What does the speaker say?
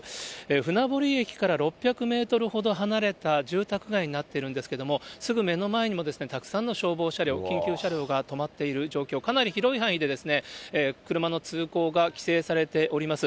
船堀駅から６００メートルほど離れた住宅街になっているんですけれども、すぐ目の前にもたくさんの消防車両、緊急車両が止まっている状況、かなり広い範囲で、車の通行が規制されております。